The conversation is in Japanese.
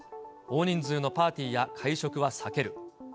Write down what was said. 大人数のパーティーや会食は避ける。